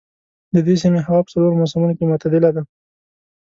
د دې سیمې هوا په څلورو موسمونو کې معتدله ده.